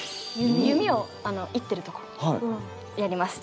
弓を射ってるところやります。